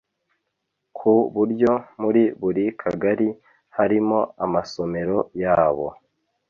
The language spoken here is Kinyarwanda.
ku buryo muri buri kagari harimo amasomero yabo